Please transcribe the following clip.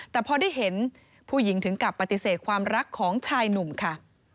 แต่พอได้เห็นผู้หญิงถึงกับปฏิเสธความรักของชายหนุ่มค่ะ